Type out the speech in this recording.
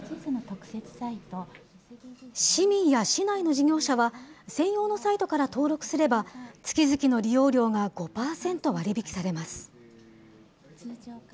市民や市内の事業者は、専用のサイトから登録すれば、月々の利用料が５％割り引きされます。